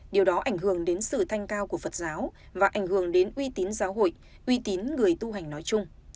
điều đó ảnh hưởng đến sự thanh cao của phật giáo và ảnh hưởng đến uy tín giáo hội uy tín người tu hành nói chung